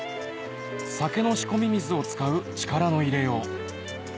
酒の仕込み水を使う力の入れよう